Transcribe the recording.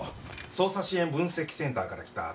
捜査支援分析センターから来た玉垣松夫です。